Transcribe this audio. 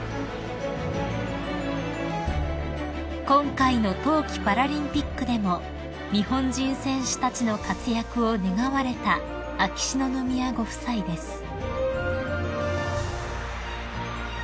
［今回の冬季パラリンピックでも日本人選手たちの活躍を願われた秋篠宮ご夫妻です］